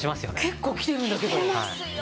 結構きてるんだけど。